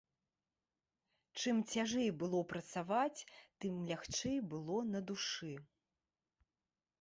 Чым цяжэй было працаваць, тым лягчэй было на душы.